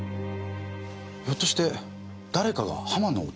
ひょっとして誰かが浜野をたきつけた。